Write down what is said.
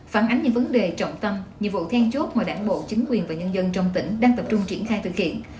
phản ánh những vấn đề trọng tâm nhiệm vụ then chốt mà đảng bộ chính quyền và nhân dân trong tỉnh đang tập trung triển khai thực hiện